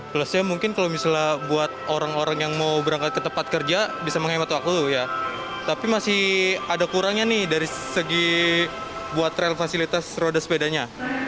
plusnya mungkin kalau misalnya buat orang orang yang mau berangkat ke tempat kerja bisa menghemat waktu ya tapi masih ada kurangnya nih dari segi buat rel fasilitas roda sepedanya